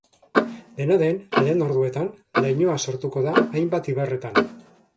Dena den, lehen orduetan, lainoa sortuko da hainbat ibarretan.